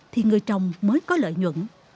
thì người trồng mới có lợi nhuận